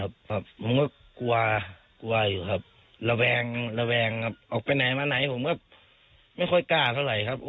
ผมก็กลัวอยู่ครับระแวงออกไปไหนมาไหนผมก็ไม่ค่อยกล้าเท่าไหร่ครับ